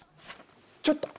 ちょっと！